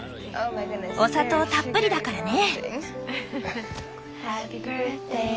お砂糖たっぷりだからね！